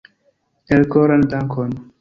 Elkoran dankon